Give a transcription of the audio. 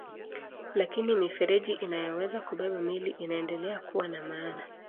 Lakini mifereji inayoweza kubeba meli inaendelea kuwa na maana.